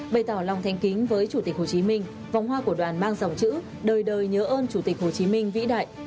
bày tỏ lòng thanh kính với chủ tịch hồ chí minh vòng hoa của đoàn mang dòng chữ đời đời nhớ ơn chủ tịch hồ chí minh vĩ đại